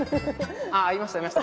あいましたいました。